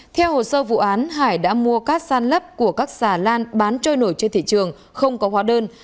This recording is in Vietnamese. theo hồ sơ vụ án hải đã mua cát sàn lấp của các xà lan bán trôi nổi trên thị trường không có hóa đơn